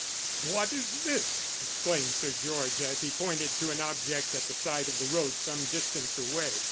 "What is this?" exclaimed Sir George, as he pointed to an object at the side of the road some distance away.